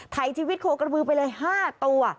ถ่ายชีวิตโคกระบือไปเลย๕ตัว